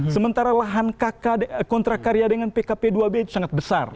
sementara lahan kontrak karya dengan pkp dua b itu sangat besar